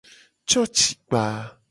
Cocikpa.